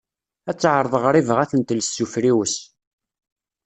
Ad teɛreḍ ɣriba ad ten-tels s ufriwes